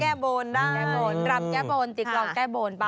แก้โบนรำแก้โบนจิ๊กรองแก้โบนไป